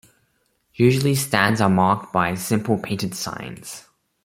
Usually stands are marked by simple painted signs.